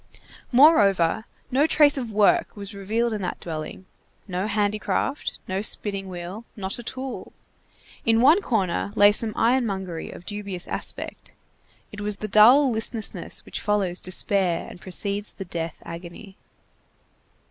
Moreover, no trace of work was revealed in that dwelling; no handicraft, no spinning wheel, not a tool. In one corner lay some ironmongery of dubious aspect. It was the dull listlessness which follows despair and precedes the death agony.